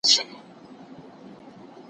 او هواته پورته سو.